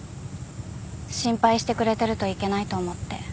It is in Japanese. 心配してくれてるといけないと思って。